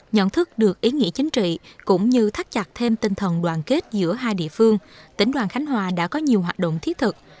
nhận thức được ý nghĩa chính trị cũng như thắt chặt thêm tinh thần đoàn kết giữa hai địa phương tỉnh đoàn khánh hòa đã có nhiều hoạt động thiết thực